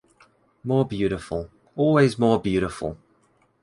More beautiful, always more beautiful!